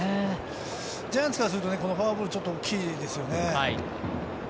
ジャイアンツからすると、このフォアボールはちょっと大きいですよね。